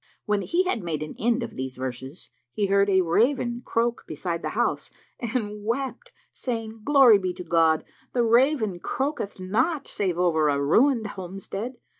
When he had made an end of these verses, he heard a raven croak beside the house and wept, saying, "Glory be to God! The raven croaketh not save over a ruined homestead."